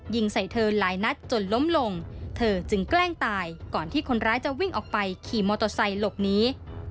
ยิงใส่เธอหลายนัดจนล้มลงเธอจึงแกล้งตายก่อนที่คนร้ายจะวิ่งออกไปขี่มอเตอร์ไซค์หลบหนี